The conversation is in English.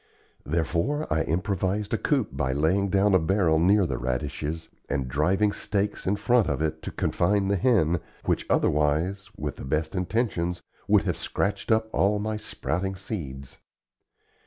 Therefore I improvised a coop by laying down a barrel near the radishes and driving stakes in front of it to confine the hen, which otherwise, with the best intentions, would have scratched up all my sprouting seeds.